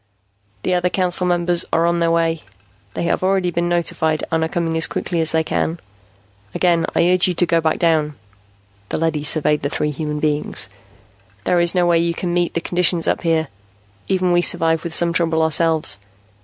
"The other Council Members are on their way. They have already been notified and are coming as quickly as they can. Again I urge you to go back down." The leady surveyed the three human beings. "There is no way you can meet the conditions up here. Even we survive with some trouble, ourselves.